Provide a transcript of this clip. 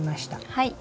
はい。